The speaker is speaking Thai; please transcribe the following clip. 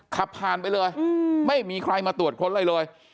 ขับผ่านไปเลยไม่มีใครมาตรวจค้นอะไรเลย